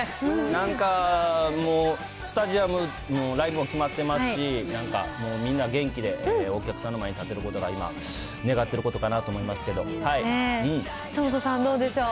なんかもう、スタジアムのライブも決まってますし、なんかもう、みんな元気で、お客さんの前に立てることが今、願ってることかなと思いますけど久本さん、どうでしょう。